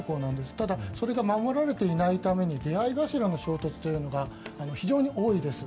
ただそれが守られていないために出合い頭の衝突というのが非常に多いです。